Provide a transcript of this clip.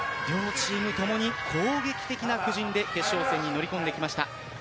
両チームともに攻撃的な布陣で決勝戦に乗り込んできました。